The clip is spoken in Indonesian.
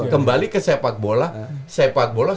kembali ke sepat bola